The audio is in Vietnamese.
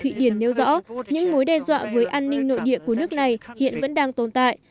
thụy điển nêu rõ những mối đe dọa với an ninh nội địa của nước này hiện vẫn đang tồn tại